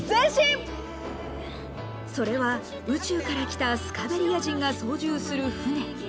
それは宇宙から来たスカベリア人が操縦する船。